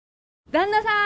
旦那さん！